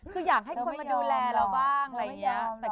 คืออยากให้คนมาดูแลเราบ้างอะไรอย่างนี้